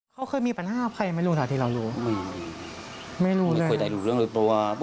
เขาเคยมีปัญหาใครไม่รู้ถ้าเรารู้ไม่รู้เลยคือว่า